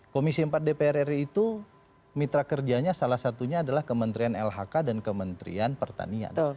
komisi empat dpr ri itu mitra kerjanya salah satunya adalah kementerian lhk dan kementerian pertanian